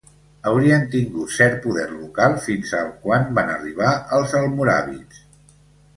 Haurien tingut cert poder local fins al quan van arribar els almoràvits.